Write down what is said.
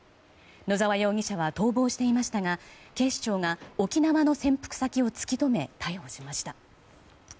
野沢容疑者は逃亡していましたが警視庁が沖縄の潜伏先を突き止め逮捕しました。